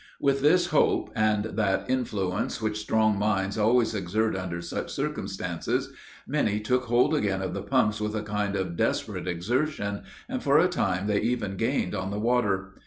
With this hope, and that influence which strong minds always exert under such circumstances, many took hold again of the pumps with a kind of desperate exertion, and for a time they even gained on the water.